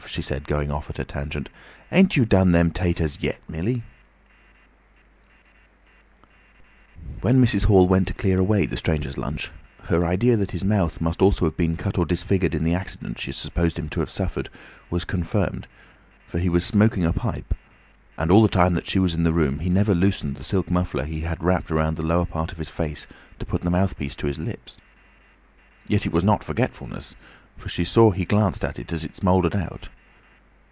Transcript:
she said, going off at a tangent; "ain't you done them taters yet, Millie?" When Mrs. Hall went to clear away the stranger's lunch, her idea that his mouth must also have been cut or disfigured in the accident she supposed him to have suffered, was confirmed, for he was smoking a pipe, and all the time that she was in the room he never loosened the silk muffler he had wrapped round the lower part of his face to put the mouthpiece to his lips. Yet it was not forgetfulness, for she saw he glanced at it as it smouldered out.